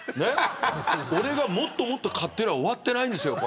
俺がもっと買ってれば終わってないんですよ。